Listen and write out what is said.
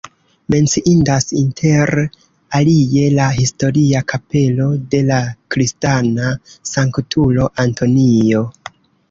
Menciindas inter alie la historia kapelo de la kristana sanktulo Antonio.